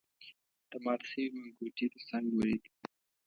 د مات شوی منګوټي تر څنګ ولید.